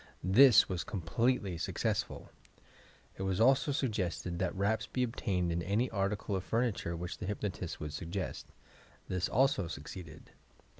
This was completely successful. It was also suggested that raps be obtained on any article of furni ture which the hypnotist would suggest. This also suc ceeded.